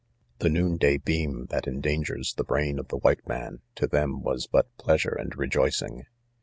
*The noonday beam that endangers the brain of the white man, to them was" but pleasure and rejoicing.